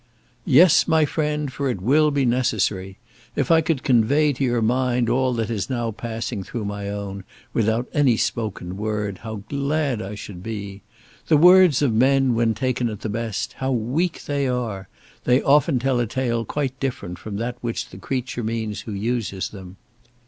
"Yes, my friend, for it will be necessary. If I could convey to your mind all that is now passing through my own, without any spoken word, how glad should I be! The words of men, when taken at the best, how weak they are! They often tell a tale quite different from that which the creature means who uses them.